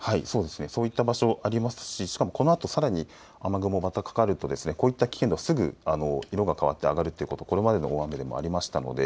そういった場所がありますししかもこのあとさらに雨雲がまたかかるとこういった危険度はすぐ色が変わって上がるということはこれまでの大雨でもありました。